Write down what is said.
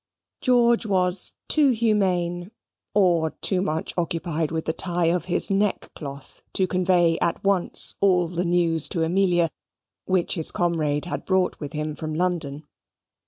George was too humane or too much occupied with the tie of his neckcloth to convey at once all the news to Amelia which his comrade had brought with him from London.